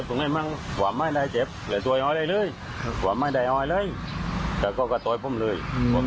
ก็คือถูกมีดฟันที่คอและที่มือ